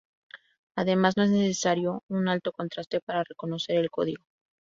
Además no es necesario un alto contraste para reconocer el código.